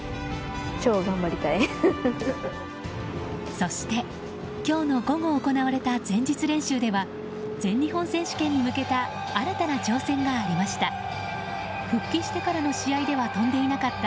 そして、今日の午後行われた前日練習では全日本選手権に向けた新たな挑戦がありました。